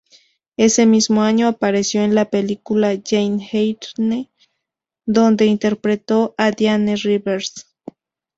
Ese mismo año apareció en la película "Jane Eyre", donde interpretó a Diane Rivers.